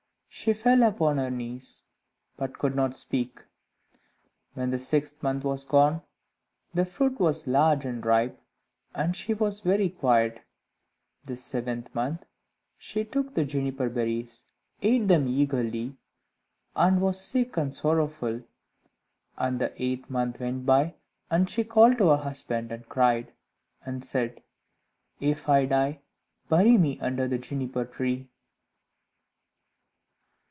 She fell upon her knees, but could not speak. When the sixth month was gone, the fruit was large and ripe, and she was very quiet; the seventh month, she took the juniper berries, ate them eagerly, and was sick and sorrowful; and the eighth month went by, and she called to her husband, and cried and said, "If I die, bury me under the Juniper tree."